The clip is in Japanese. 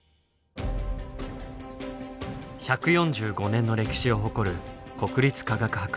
１４５年の歴史を誇る国立科学博物館。